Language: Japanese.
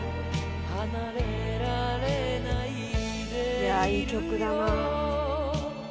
いやいい曲だな。